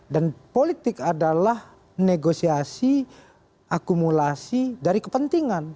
dan politik adalah negosiasi akumulasi dari kepentingan